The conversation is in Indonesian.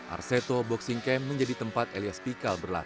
arseto boxing camp menjadi tempat elias pikal berlangsung